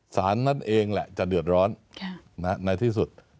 สารนั่นเองแหละจะเดือดร้อนในที่สุด